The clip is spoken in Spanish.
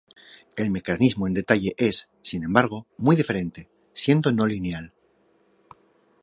El mecanismo en detalle es, sin embargo, muy diferente, siendo no lineal.